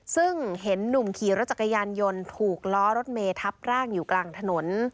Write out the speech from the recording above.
ซึ่งเห็นหนุ่มขี่รถจักรยานยนต์ถูกล้อรถเมทับร่างอยู่กลางถนน